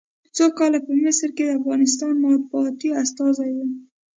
څو کاله په مصر کې د افغانستان مطبوعاتي استازی و.